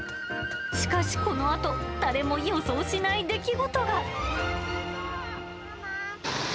しかし、このあと、誰も予想しない出来事が。